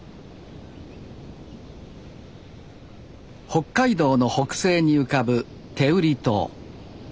北海道の北西に浮かぶ天売島。